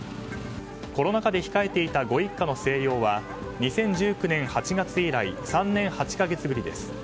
コロナ禍で控えていたご一家の静養は２０１９年８月以来３年８か月ぶりです。